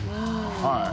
はい。